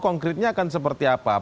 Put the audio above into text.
konkretnya akan seperti apa